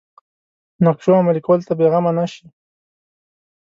نقشو عملي کولو ته بېغمه نه شي.